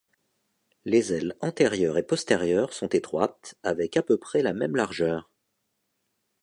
Les ailes antérieures et postérieures sont étroites avec à peu près la même largeur.